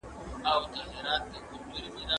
د مخطوبې ټولنيز ژوند څنګه ارزول کېږي؟